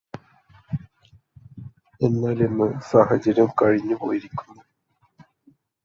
എന്നാൽ ഇന്ന് ആ സാഹചര്യം കഴിഞ്ഞു പോയിരിക്കുന്നു.